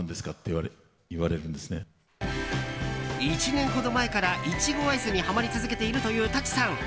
１年ほど前からイチゴアイスにハマり続けているという舘さん。